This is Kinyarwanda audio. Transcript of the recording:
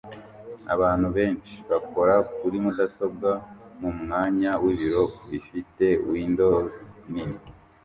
Abantu benshi bakora kuri mudasobwa mumwanya wibiro bifite Windows nini